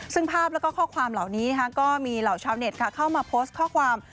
ซึ่งภาพแล้วก็ข้อความเหล่านี้ก็มีเหล่าชาวเน็ตเข้ามาโพสต์ข้อความ